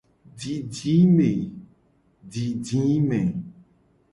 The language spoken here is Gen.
Didime.